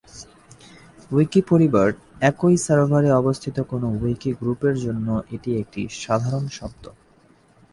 Wiki পরিবার একই সার্ভারে অবস্থিত কোন উইকি গ্রুপের জন্য এটি একটি সাধারণ শব্দ।